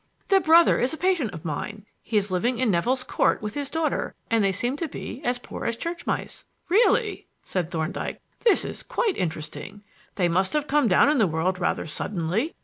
"The brother is a patient of mine. He is living in Nevill's Court with his daughter, and they seem to be as poor as church mice." "Really," said Thorndyke, "this is quite interesting. They must have come down in the world rather suddenly.